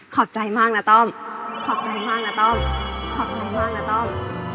ขอบใจมากนะต้อมขอบใจมากนะต้อมขอบคุณมากนะต้อม